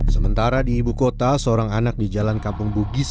sementara di ibu kota seorang anak di jalan kampung bugis